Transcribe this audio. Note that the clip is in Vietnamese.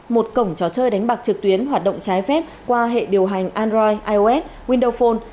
một cổng trò chơi đánh bạc trực tuyến hoạt động trái phép qua hệ điều hành android ios windophone